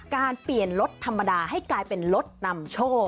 เปลี่ยนรถธรรมดาให้กลายเป็นรถนำโชค